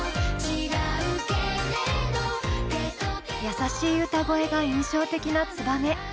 優しい歌声が印象的な「ツバメ」。